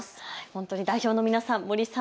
本当に代表の皆さん、森さん